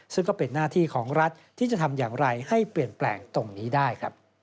ซึ่งก็เป็นหน้าที่ของรัฐที่จะทำอย่างไรให้เปลี่ยนแปลงตรงนี้ได้